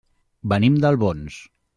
Venim d'Albons.